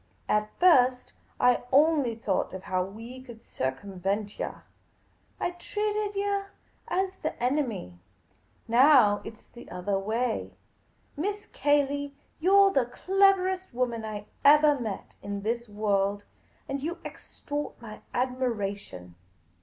At first, I only thought of how we could circumvent yah. I treated yah as the enemy. Now, it 's all the othah way. Miss Cayley, you 're the cleverest woman I evali met in this world ; you extort my admira tion